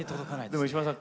でも石丸さん